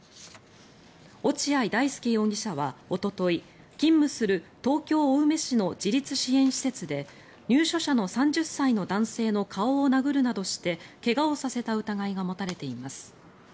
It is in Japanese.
落合大丞容疑者はおととい勤務する東京・青梅市の自立支援施設で入所者の３０歳の男性の顔を殴るなどして怪我をさせた疑いが持たれています。